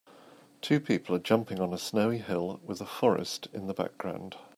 Two people are jumping on a snowy hill with a forest in the background.